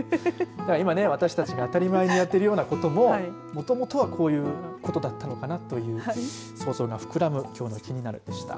今ね、私たちが当たり前にやってるようなことももともとはこういうことだったのかなという想像が膨らむきょうのキニナル！でした。